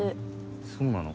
そうなの？